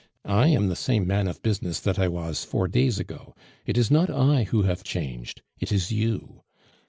I am the same man of business that I was four days ago. It is not I who have changed; it is you.